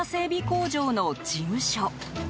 工場の事務所。